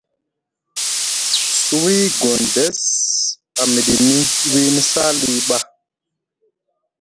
Suwi Gondes a miɗini wini Sali ɓa.